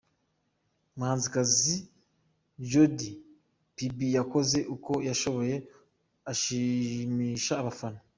Umuhanzikazi Jody Phibi yakoze uko ashoboye ashimisha abafana:.